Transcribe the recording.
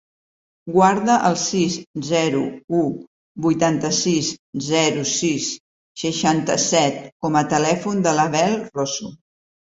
Guarda el sis, zero, u, vuitanta-sis, zero, sis, seixanta-set com a telèfon de l'Abel Rosu.